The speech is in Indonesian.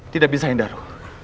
tidak bisa indaro